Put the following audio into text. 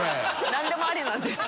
なんでもありなんですよ。